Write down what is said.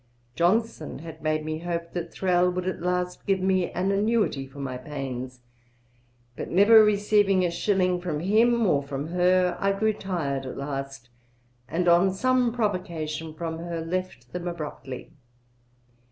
Johnson had made me hope that Thrale would at last give me an annuity for my pains, but, never receiving a shilling from him or from her, I grew tired at last, and on some provocation from her left them abruptly.'